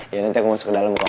ya nanti aku masuk ke dalam kota